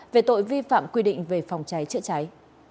về tội vi phạm quy định về phòng cháy chữa cháy